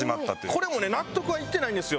これもね納得はいってないんですよ